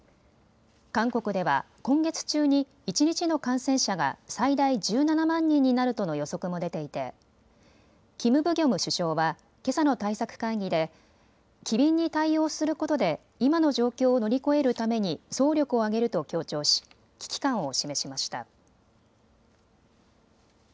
韓国では今月中に一日の感染者が最大１７万人になるとの予測も出ていてキム・ブギョム首相はけさの対策会議で機敏に対応することで今の状況を乗り越えるために総力を挙げると強調し危機感を示しました。